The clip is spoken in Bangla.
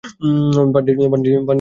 পান্ডে জী, এইদিকে আসেন।